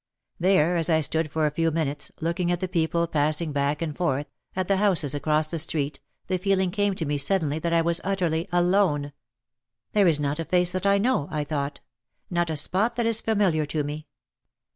There, as I stood for a few minutes, looking at the people passing back and forth, at the houses across the street, the feeling came to me suddenly that I was utterly alone. "There is not a face that I know," I thought. "Not a spot that is familiar to me.